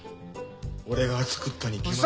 俺が作ったに決まって。